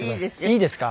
いいですか？